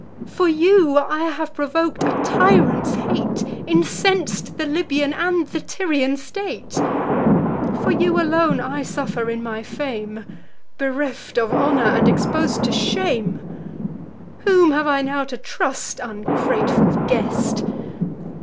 For you I have provok'd a tyrant's hate, Incens'd the Libyan and the Tyrian state; For you alone I suffer in my fame, Bereft of honour, and expos'd to shame. Whom have I now to trust, ungrateful guest?